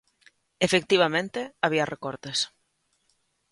Efectivamente, había recortes.